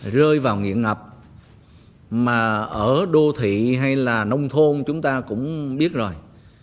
rơi vào nghiện ngập mà ở đô thị hay là nông thôn chúng ta cũng biết rồi